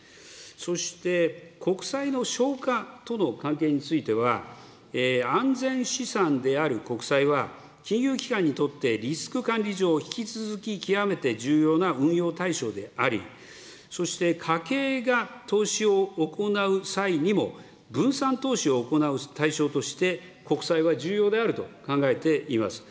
そして、国債の償還との関係については、安全資産である国債は、金融機関にとってリスク管理上、引き続き極めて重要な運用対象であり、そして家計が投資を行う際にも、分散投資を行う対象として、国債は重要であると考えています。